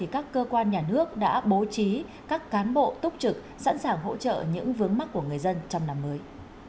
các cơ quan nhà nước đã bố trí các cán bộ túc trực sẵn sàng hỗ trợ những vướng mắt của người dân trong năm mới